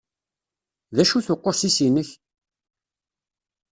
D acu-t uqusis-inek?